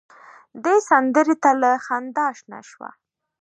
دې سندره ته له خندا شنه شوه.